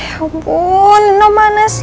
ya ampun ini mana sih